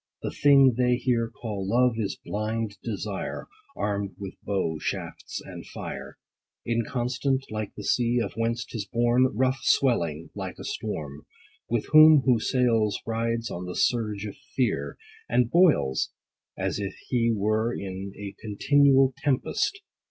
The thing they here call Love, is blind desire, Arm'd with bow, shafts, and fire ; Inconstant, like the sea, of whence 'tis born, 30 Rough, swelling, like a storm : With whom who sails, rides on the surge of fear, And boils, as if he were In a continual tempest.